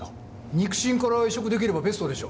肉親から移植出来ればベストでしょ？